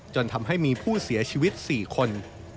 จนทำให้มีผู้เสียชีวิต๔คน